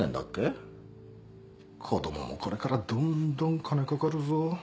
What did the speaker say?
子供もこれからどんどん金掛かるぞ。